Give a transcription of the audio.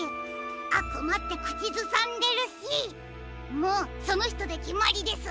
「あくま」ってくちずさんでるしもうそのひとできまりですね！